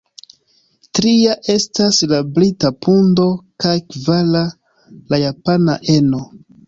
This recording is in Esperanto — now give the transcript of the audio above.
Tria estas la brita pundo kaj kvara la japana eno.